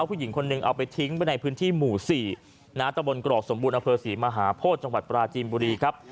ผู้หญิงคนหนึ่งเอาไปทิ้งไปในพื้นที่หมู่๔ตะบนกรอกสมบูรณอำเภอศรีมหาโพธิจังหวัดปราจีนบุรีครับ